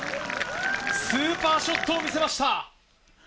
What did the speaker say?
スーパーショットを見せました！